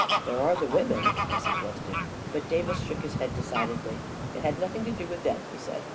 u There are the women," I suggested. But Davis shook his head decidedly. " It had nothing to do with them," he said.